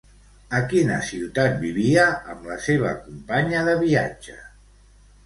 A quina ciutat vivia amb la seva companya de viatge?